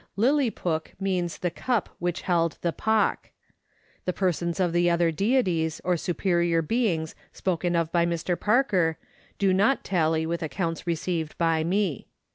" Lillipook " means the cup which held the pock. The personages of the other Deities or Superior Beings spoken of by Mr. Parker do not tally with accounts received by me.